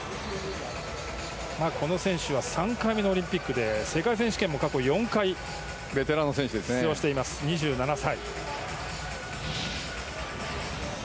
この選手は３回目のオリンピックで世界選手権も過去４回出場している２７歳。